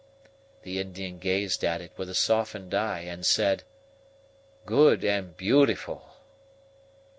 The Indian gazed at it with a softened eye, and said: "Good and beautiful."